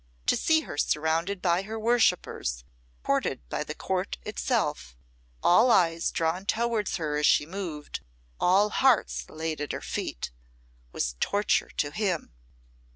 To see her surrounded by her worshippers, courted by the Court itself, all eyes drawn towards her as she moved, all hearts laid at her feet, was torture to him.